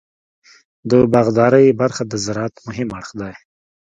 د باغدارۍ برخه د زراعت مهم اړخ دی.